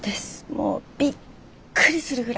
もうびっくりするぐらい。